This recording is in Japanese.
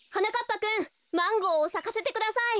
ぱくんマンゴーをさかせてください。